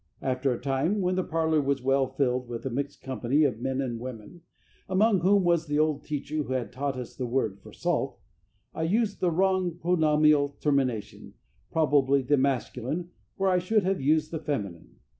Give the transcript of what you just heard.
After a time, when the parlor was well filled with a mixed company of men and women, among whom was the old teacher who had taught us the word for salt, I used the wrong pronominal termination, probably the masculine where I should have used the feminine.